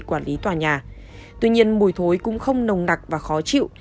tuy nhiên mùi thối cũng không nồng đặc và khó chịu